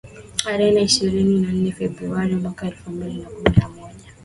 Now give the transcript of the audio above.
arehe ishirini na nne februari mwaka elfu mbili na kumi na moja